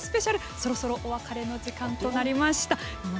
そろそろお別れの時間となりました。